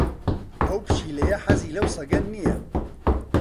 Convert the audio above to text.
ئەو پشیلەیە حەزی لەو سەگە نییە.